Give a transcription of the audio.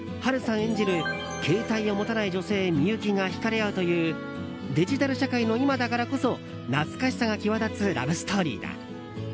演じる携帯を持たない女性・みゆきが引かれ合うというデジタル社会の今だからこそ懐かしさが際立つラブストーリーだ。